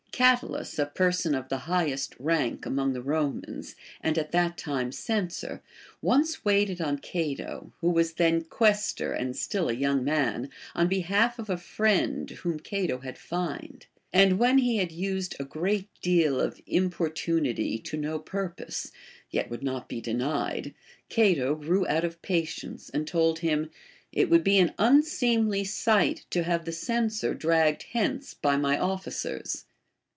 Catulus, a person of the highest rank among the Romans, and at that time censor, once waited on Cato, who was then quaestor and still a young man, on behalf of a friend whom Cato had fined ; and when he had used a great deal of importunity to no purpose, vet would not be denied, Cato grew out of patience, and told him, It Avould be an unseemly sight to have the censor dragged hence by my officers.